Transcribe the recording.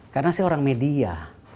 karena saya orang media